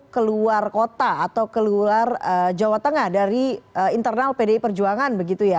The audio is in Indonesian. ketua dpp pdi perjuangan